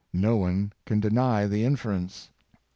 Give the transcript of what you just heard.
No one can deny the inference."